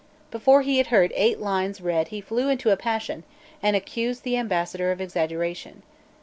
Before he had heard eight lines read he flew into a passion and accused the ambassador of exaggeration.